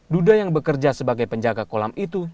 duda yang bekerja sebagai penjaga kolam itu